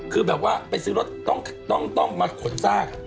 คือแบบว่าไปซื้อรถต้องมาขนซาก